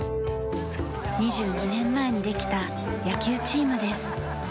２２年前にできた野球チームです。